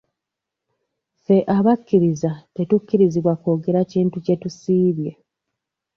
Ffe abakkiriza tetukkirizibwa kwogera kintu kye tusiibye.